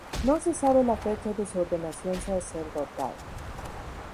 No se sabe la fecha de su ordenación sacerdotal.